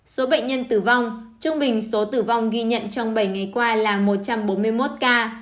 số bệnh nhân tử vong trung bình số tử vong ghi nhận trong bảy ngày qua là một trăm bốn mươi một ca